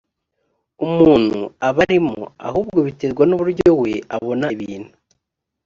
umuntu aba arimo ahubwo biterwa nuburyo we abona ibintu.